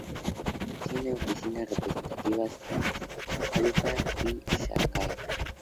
Tiene oficinas representativas en Halifax y Shanghái.